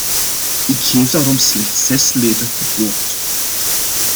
Ik geef daarom slechts zes leden het woord.